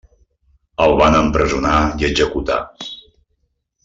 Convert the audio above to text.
El van empresonar i executar.